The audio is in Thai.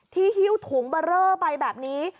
หิ้วถุงเบอร์เรอไปแบบนี้